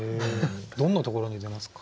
どんなところに出ますか？